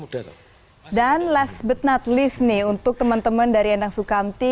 dan last but not least nih untuk teman teman dari endang sukamti